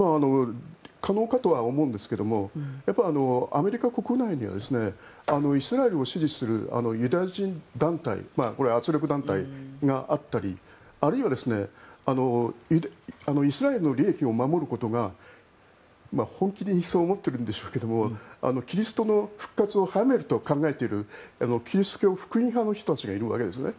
可能かとは思うんですがアメリカ国内にはイスラエルを支持するユダヤ人団体圧力団体があったりあるいはイスラエルの利益を守ることが本気でそう思ってるんでしょうけどキリストの復活を早めると考えているキリスト教福音派の人たちがいるわけですね。